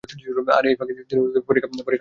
আর এই ফাঁকে তিনি পরিখা পার হয়ে যাবেন।